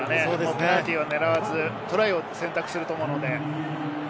ペナルティーは狙わずトライを選択すると思うので。